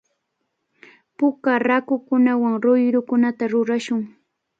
Puka raakuwan ruyrukunata rurashun.